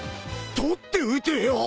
取って打てよ！